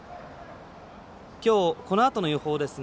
きょう、このあとの予報ですが